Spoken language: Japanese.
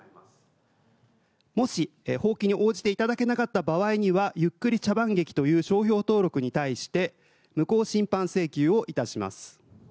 もし放棄に応じていただけなかった場合には「ゆっくり茶番劇」という商標登録に対して無効審判請求を致します。